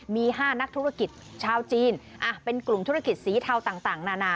มี๕นักธุรกิจชาวจีนเป็นกลุ่มธุรกิจสีเทาต่างนานา